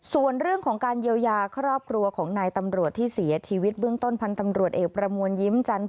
ส่วนเรื่องของการเยียวยาครอบครัวของนายตำรวจที่เสียชีวิตเบื้องต้นพันธ์ตำรวจเอกประมวลยิ้มจันท